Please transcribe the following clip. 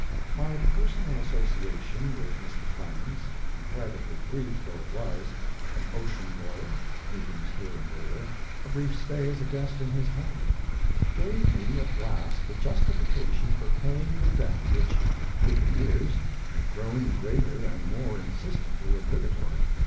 My personal association with Mr. Clemens, comparatively brief though it was an ocean voyage, meetings here and there, a brief stay as a guest in his home gave me at last the justification for paying the debt which, with the years, had grown greater and more insistently obligatory.